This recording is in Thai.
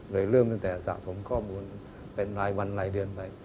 เริ่มตั้งแต่สะสมข้อมูลเป็นรายวันรายเดือนไป